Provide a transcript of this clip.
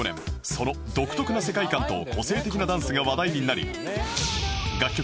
その独特な世界観と個性的なダンスが話題になり楽曲